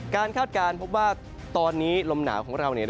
คาดการณ์พบว่าตอนนี้ลมหนาวของเรา